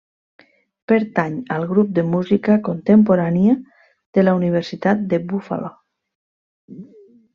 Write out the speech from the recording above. Pertany al Grup de música contemporània de la Universitat de Buffalo.